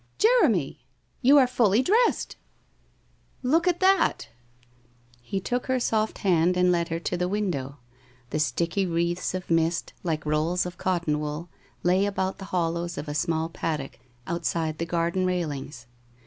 * Jeremy ! You are fully dressed !' 1 Look at that !' He took her soft hand and led her to the window. The sticky wreaths of mist, like rolls of cotton wool, lay about the hollows of a small paddock, outside the garden rail ings.